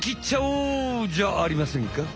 ちゃおうじゃありませんか！